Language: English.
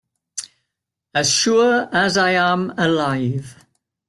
As sure as I am alive.